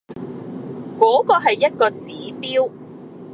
嗰個係一個指標